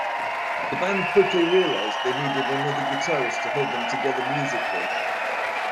The band quickly realized they needed another guitarist to hold them together musically.